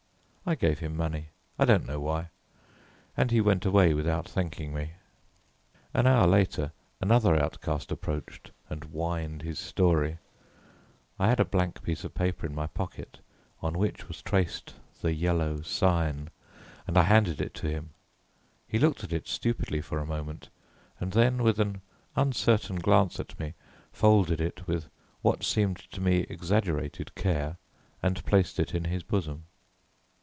I gave him money, I don't know why, and he went away without thanking me. An hour later another outcast approached and whined his story. I had a blank bit of paper in my pocket, on which was traced the Yellow Sign, and I handed it to him. He looked at it stupidly for a moment, and then with an uncertain glance at me, folded it with what seemed to me exaggerated care and placed it in his bosom.